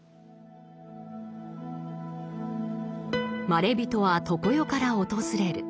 まれびとは常世から訪れる。